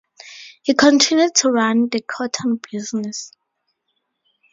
He continued to run the cotton business.